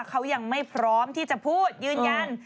เขายังไม่พร้อมที่จะพูดยืนยัน